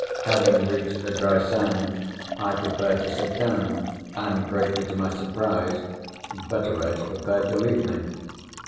Having reached the dry sand, I prepared to sit down; and, greatly to my surprise, Betteredge prepared to leave me.